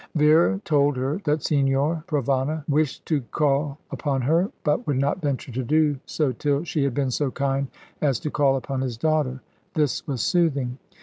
Vera told her that Signor Provana wished to call upon her, but would not venture to do so till she had been so kind as to call upon his daughter. This was soothing.